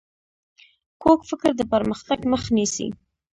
کوږ فکر د پرمختګ مخ نیسي